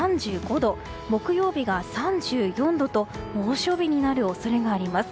前橋は水曜日が３５度木曜日が３４度と猛暑日になる恐れがあります。